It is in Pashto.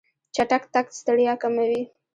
چټک تګ ستړیا کموي.